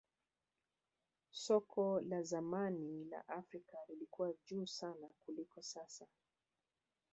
soka la zamani la afrika lilikuwa juu sana kuliko sasa